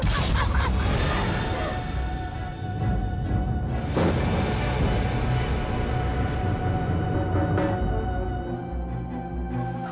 saya yang akan menggunakanmu